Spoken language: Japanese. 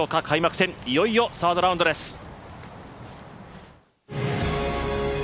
開幕戦、いよいよサードラウンドです。